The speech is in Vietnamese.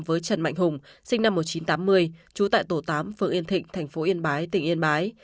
với trần mạnh hùng sinh năm một nghìn chín trăm tám mươi trú tại tổ tám phường yên thịnh thành phố yên bái tỉnh yên bái